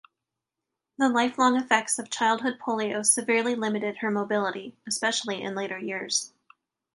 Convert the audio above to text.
The lifelong effects of childhood polio severely limited her mobility, especially in later years.